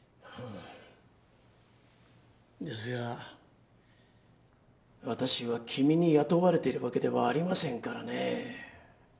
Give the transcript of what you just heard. ですが私は君に雇われているわけではありませんからねえ